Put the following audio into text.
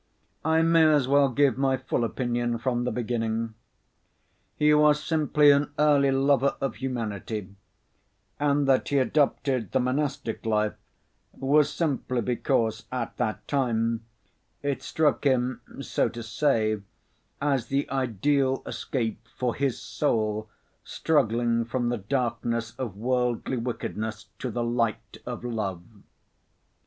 I may as well give my full opinion from the beginning. He was simply an early lover of humanity, and that he adopted the monastic life was simply because at that time it struck him, so to say, as the ideal escape for his soul struggling from the darkness of worldly wickedness to the light of love.